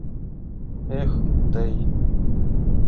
— Эх тый...